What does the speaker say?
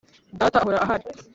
data ahora ahari.”